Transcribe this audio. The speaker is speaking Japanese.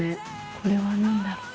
これは何だろう？